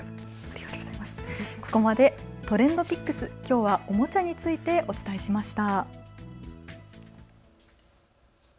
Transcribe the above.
ここまでＴｒｅｎｄＰｉｃｋｓ、きょうはおもちゃについてお伝えしました。